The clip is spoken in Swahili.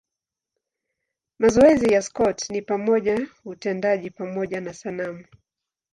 Mazoezi ya Scott ni pamoja na utendaji pamoja na sanamu.